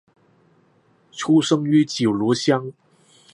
出生于九如乡。